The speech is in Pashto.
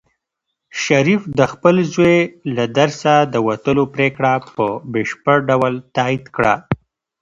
شریف د خپل زوی له درسه د وتلو پرېکړه په بشپړ ډول تایید کړه.